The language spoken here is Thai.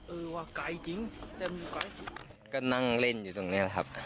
เออว่าไกลจริงเต็มไกลจริงก็นั่งเล่นอยู่ตรงเนี้ยครับ